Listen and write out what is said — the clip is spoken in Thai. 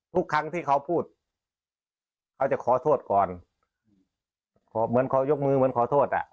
ทุกครั้งที่เขาพูดเขาจะขอโทษก่อนเหมือนเขายกมือเหมือนขอโทษอ่ะ